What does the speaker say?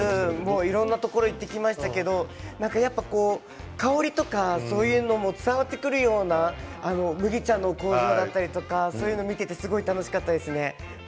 いろんなところに行きましたが香りとか、そういうのも伝わってくるような麦茶の工場だったりとかそういうのを見ていて楽しかったですね。